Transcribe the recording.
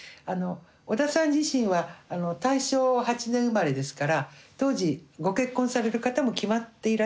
織田さん自身は大正８年生まれですから当時ご結婚される方も決まっていらしたらしいんですね。